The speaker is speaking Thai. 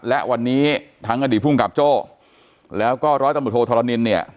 และวันนี้ทั้งอดีตภูมิกับโจ้แล้วก็ร้อยตำรวจโทธรณินเนี่ย